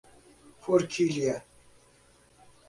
Forquilha